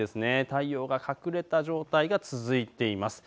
太陽が隠れた状態が続いています。